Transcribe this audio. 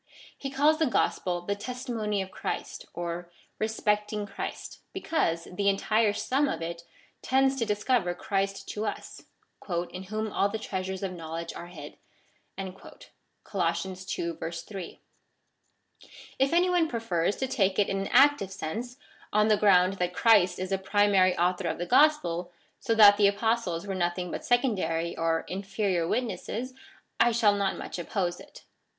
He calls the gospel the testimony of Christ, or respecting Christ, because the entire sum of it tends to discover Christ to us, " in whom all the treasures of knowledge are hid" (Col. ii. 8.) If any one prefers to take it in an active sense, on the ground that Christ is the primary author of the gospel, so that the Apostles were nothing but secondary or inferior witnesses, I shall not much oppose it.